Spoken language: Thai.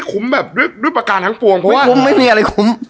แบบด้วยประการทั้งปวงเพราะว่าคุ้มไม่มีอะไรคุ้ม